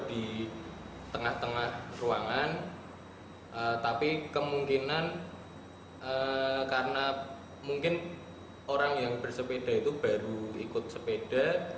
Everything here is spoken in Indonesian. di tengah tengah ruangan tapi kemungkinan karena mungkin orang yang bersepeda itu baru ikut sepeda